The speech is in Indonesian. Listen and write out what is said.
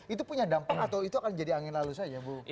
itu punya dampak atau itu akan jadi angin lalu saja bu